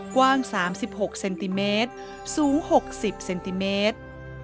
กว้าง๓๖เซนติเมตรสูง๖๐เซนติเมตร